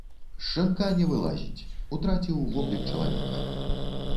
З шынка не вылазіць, утраціў воблік чалавека.